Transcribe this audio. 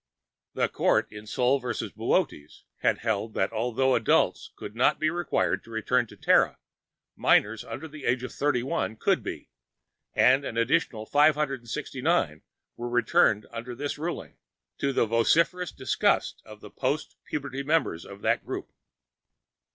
The Court in Sol v. Boötes had held that although adults could not be required to return to Terra, minors under the age of 31 could be, and an additional 569 were returned under this ruling, to the vociferous disgust of the post puberty members of that group.